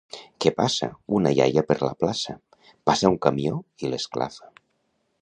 —Què passa? —Una iaia per la plaça, passa un camió i l'esclafa.